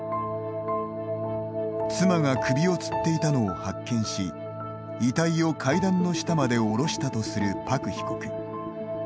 妻が首をつっていたのを発見し遺体を階段の下まで降ろしたとする朴被告。